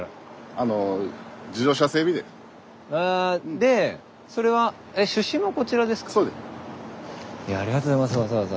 でそれはいやありがとうございますわざわざ。